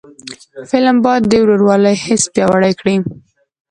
فلم باید د ورورولۍ حس پیاوړی کړي